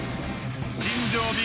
新庄